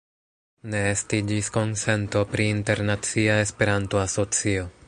Ne estiĝis konsento pri internacia Esperanto-asocio.